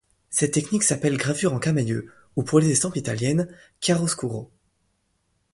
Cette technique s'appelle gravure en camaïeu ou pour les estampes italiennes, chiaroscuro.